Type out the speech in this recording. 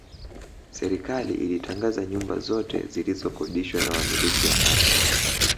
Serikali ilitangaza nyumba zote zilizokodishwa na Wamiliki wa ardhi